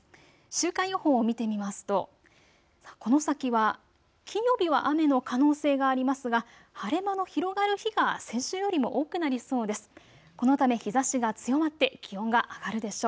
週間予報を見てみますとこの先は金曜日は雨の可能性がありますが晴れ間の広がる日が先週よりも多くなりそうです。